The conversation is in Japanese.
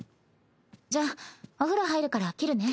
じゃあお風呂入るから切るね。